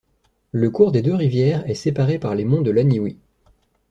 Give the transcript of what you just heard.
Le cours des deux rivières est séparé par les monts de l'Aniouï.